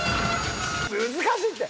難しいって！